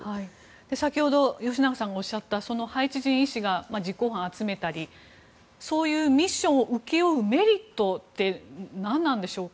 先ほど吉永さんがおっしゃったハイチ人医師が実行犯を集めたりそういうミッションを請け負うメリットは何なんでしょうか？